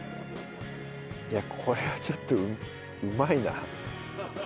いやこれはちょっとうまいな。